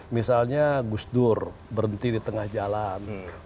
misalnya gus dur berhenti di tengah jalan